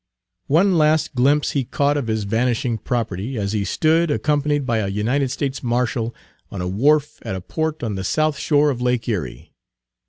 One last glimpse he caught of his vanishing property, as he stood, accompanied by a United States marshal, on a wharf at a port on the south shore of Lake Erie.